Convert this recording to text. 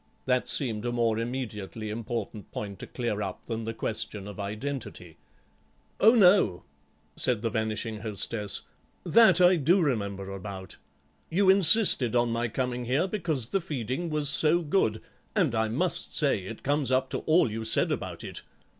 That seemed a more immediately important point to clear up than the question of identity. "Oh, no," said the vanishing hostess, "that I do remember about. You insisted on my coming here because the feeding was so good, and I must say it comes up to all you said about it.